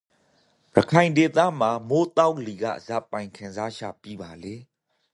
ရခိုင်ဒေသမှာမိုးသောက်လီကဇာပိုင်ခံစားချက် ပီးပါလေ?